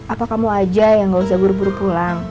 apa kamu aja yang gak usah buru buru pulang